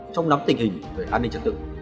trong nắm tình hình về an ninh trật tự